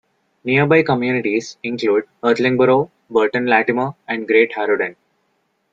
Nearby communities include Irthlingborough, Burton Latimer and Great Harrowden.